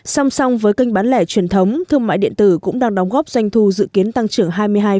song song với kênh bán lẻ truyền thống thương mại điện tử cũng đang đóng góp doanh thu dự kiến tăng trưởng hai mươi hai